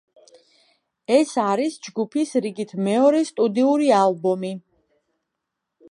ეს არის ჯგუფის რიგით მეორე სტუდიური ალბომი.